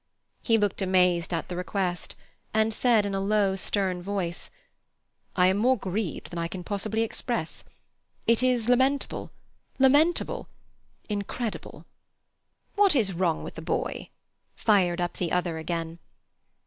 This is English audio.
He looked amazed at the request, and said in a low, stern voice: "I am more grieved than I can possibly express. It is lamentable, lamentable—incredible." "What's wrong with the boy?" fired up the other again.